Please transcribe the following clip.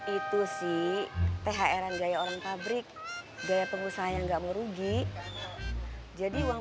itu sih thr an gaya orang pabrik gaya pengusaha yang nggak mau rugi jadi uang